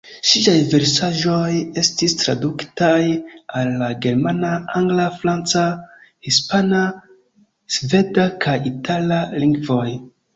Ŝiaj versaĵoj estis tradukitaj al la germana, angla, franca, hispana, sveda kaj itala lingvoj.